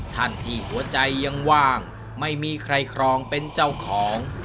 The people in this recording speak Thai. ท่านที่หัวใจยังว่างไม่มีใครครองเป็นเจ้าของ